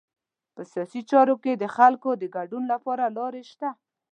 په سیاسي چارو کې د خلکو د ګډون لپاره لارې شته.